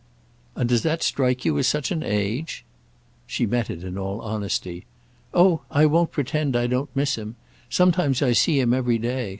"And does that strike you as such an age?" She met it in all honesty. "Oh I won't pretend I don't miss him. Sometimes I see him every day.